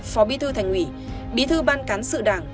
phó bí thư thành ủy bí thư ban cán sự đảng